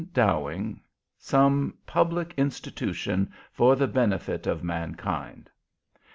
Dowing_ some public Institution for the benefit of Mankind."